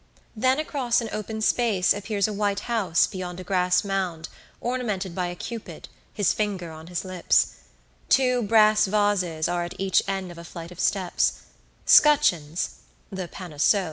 Then across an open space appears a white house beyond a grass mound ornamented by a Cupid, his finger on his lips; two brass vases are at each end of a flight of steps; scutcheons blaze upon the door.